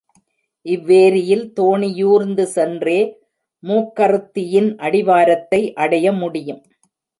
இவ்வேரியில் தோணியூர்ந்து சென்றே மூக்கறுத்தியின் அடிவாரத்தை அடைய முடியும்.